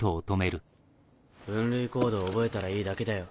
分類コードを覚えたらいいだけだよ。